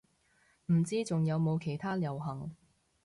唔知仲有冇其他遊行